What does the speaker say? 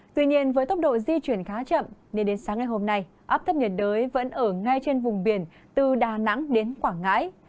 tuy nhiên với tốc độ di chuyển khá chậm nên đến sáng ngày hôm nay áp thấp nhiệt đới vẫn ở ngay trên vùng biển từ đà nẵng đến quảng ngãi